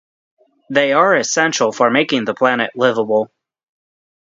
They are essential for making the planet livable.